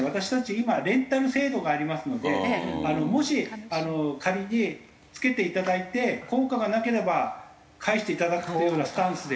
今レンタル制度がありますのでもし仮に付けていただいて効果がなければ返していただくというようなスタンスで。